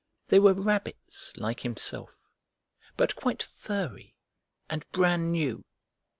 They were rabbits like himself, but quite furry and brand new.